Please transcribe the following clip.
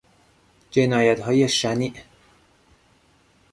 جنایتهای شنیع